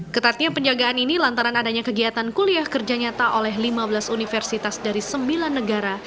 ketatnya penjagaan ini lantaran adanya kegiatan kuliah kerja nyata oleh lima belas universitas dari sembilan negara